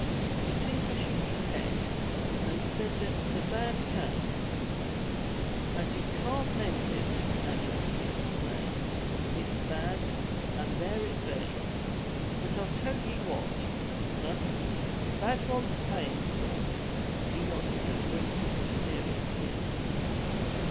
The tinker shook his head and said that was a bad case. *'And you can't mend it," added Speed the plough. It's bad, and there it be. But I'll tell ye what, master. Bad wants payin' for." He nodded and winked mysteriously.